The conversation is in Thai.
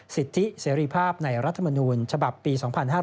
สิทธิเสรีภาพในรัฐมนูลฉบับปี๒๕๕๙